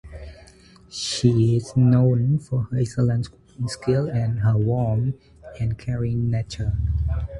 She is known for her excellent cooking skills and her warm and caring nature.